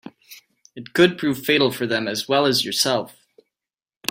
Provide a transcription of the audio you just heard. It could prove fatal for them as well as yourself.